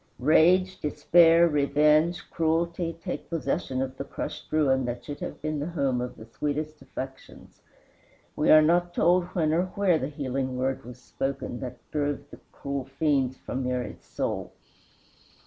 Rage, despair, revenge, cruelty, take possession of the crushed ruin that should have been the home of the sweetest affections. We are not told when or where the healing word was spoken that drove the cruel fiends from Mary's soul.